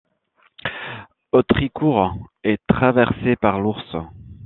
Autricourt est traversée par l'Ource.